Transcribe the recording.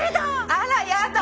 あらやだ！